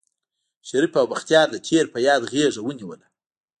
شريف او بختيار د تېر په ياد غېږه ونيوله.